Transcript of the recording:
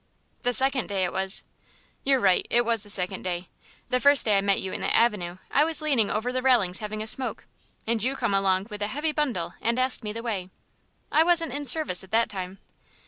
"The second day it was." "You're right, it was the second day. The first day I met you in the avenue I was leaning over the railings having a smoke, and you come along with a heavy bundle and asked me the way. I wasn't in service at that time.